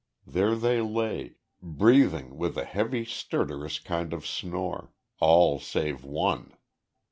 There they lay, breathing with a heavy, stertorous kind of snore. All save one.